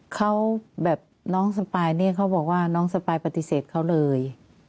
เขาแบบน้องสปายเนี่ยเขาบอกว่าน้องสปายปฏิเสธเขาเลย